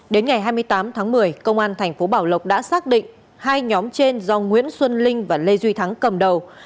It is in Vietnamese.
đến ngày hai mươi tám tháng một mươi công an thành phố bảo lộc đã xác định hai nhóm trên do nguyễn xuân linh và lê duy thắng cầm đầu